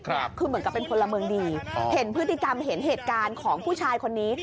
คือเหมือนกับเป็นพลเมืองดีเห็นพฤติกรรมเห็นเหตุการณ์ของผู้ชายคนนี้